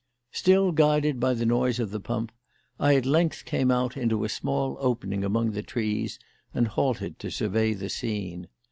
Still guided by the noise of the pump, I at length came out into a small opening among the trees and halted to survey the scene.